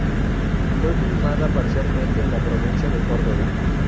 Fue filmada parcialmente en la provincia de Córdoba.